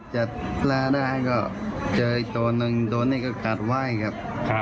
จะล่าได้ก็เจออีกตัวหนึ่งตัวนี้ก็กัดไหว้ครับ